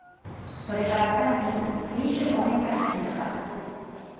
それからさらに２５年がたちました。